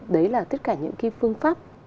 đấy là tất cả những cái phương pháp